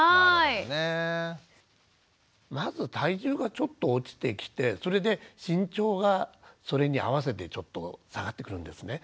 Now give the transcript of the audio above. まず体重がちょっと落ちてきてそれで身長がそれに合わせてちょっと下がってくるんですね。